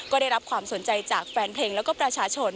ก็ได้รับความสนใจจากแฟนเพลงแล้วก็ประชาชน